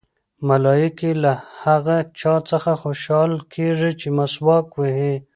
ملایکې له هغه چا څخه خوشحاله کېږي چې مسواک وهي.